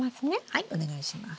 はいお願いします。